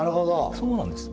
そうなんです。